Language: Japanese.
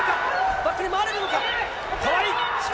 バックに回れるか？